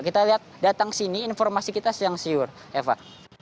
kita lihat datang sini informasi kita siang siur eva